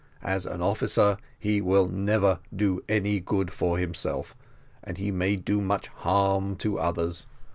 As an officer he will never do any good for himself, and he may do much harm to others.